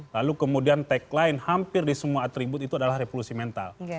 lalu kemudian tagline hampir di semua atribut itu adalah revolusi mental